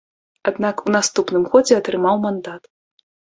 Аднак у наступным годзе атрымаў мандат.